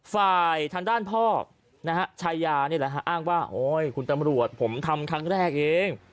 ฝ่ายทางด้านพ่อนะฮะชายานี่แหละฮะอ้างว่าโอ๊ยคุณตำรวจผมทำครั้งแรกเอง